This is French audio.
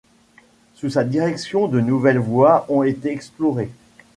Sous sa direction de nouvelles voies ont été explorées.